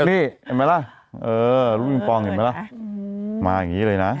เห็นไหมล่ะมาอย่างนี้เลยนะ